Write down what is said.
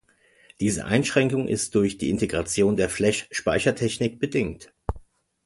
Diese Einschränkung ist durch die Integration der Flash-Speichertechnik bedingt.